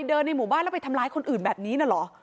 ในหมู่บ้านแล้วไปทำร้ายคนอื่นแบบนี้นะเหรอ